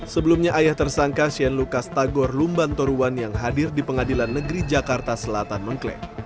sebelumnya ayah tersangka shane lucas tagor lumban toruwan yang hadir di pengadilan negeri jakarta selatan mengklaim